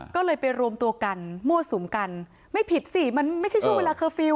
ก็เลยไปรวมตัวกันมั่วสุมกันไม่ผิดสิมันไม่ใช่ช่วงเวลาเคอร์ฟิลล